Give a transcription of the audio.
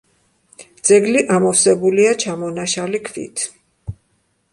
ძეგლი ამოვსებულია ჩამონაშალი ქვით.